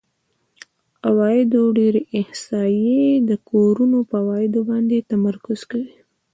د عوایدو ډېری احصایې د کورونو په عوایدو باندې تمرکز کوي